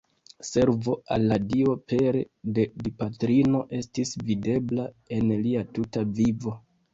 Servo al la Dio pere de Dipatrino estis videbla en lia tuta vivo.